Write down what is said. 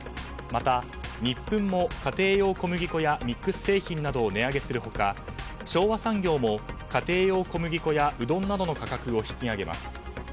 また、ニップンも家庭用小麦粉やミックス製品などを値上げする他昭和産業も家庭用小麦粉やうどんなどの価格を引き上げます。